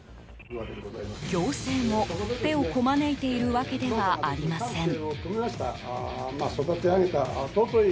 行政も、手をこまねいているわけではありません。